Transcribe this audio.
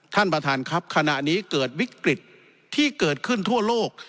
ท่านประธานครับขณะนี้เกิดวิกฤตที่เกิดขึ้นทั่วโลก